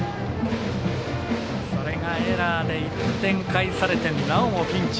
それがエラーで１点返されてなおもピンチ。